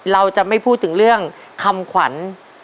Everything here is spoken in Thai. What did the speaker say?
เราจะไม่พูดถึงเรื่องคำขวัญ